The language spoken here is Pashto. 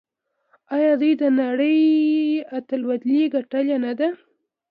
آیا دوی د نړۍ اتلولي ګټلې نه ده؟